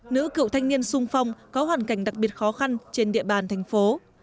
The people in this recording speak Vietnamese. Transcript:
nữ cựu thanh niên sung phong có hoàn cảnh đặc biệt khó khăn trên địa bàn thành phố